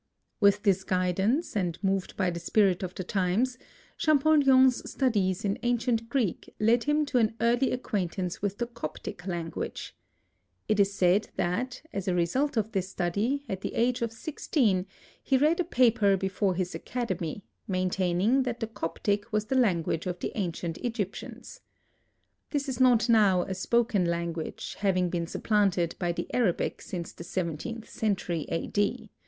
With this guidance, and moved by the spirit of the times, Champollion's studies in ancient Greek led him to an early acquaintance with the Coptic language. It is said that, as a result of this study, at the age of sixteen he read a paper before his academy, maintaining that the Coptic was the language of the ancient Egyptians. This is not now a spoken language, having been supplanted by the Arabic since the seventeenth century, A. D.